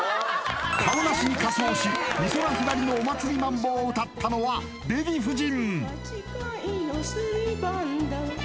カオナシに仮装し美空ひばりの「お祭りマンボ」を歌ったのはデヴィ夫人